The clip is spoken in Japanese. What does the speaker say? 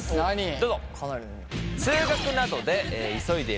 どうぞ。